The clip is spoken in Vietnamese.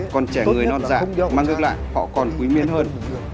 còn trẻ người non già mang gức lại họ còn quý miến hơn